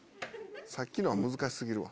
さっきのは難し過ぎるわ。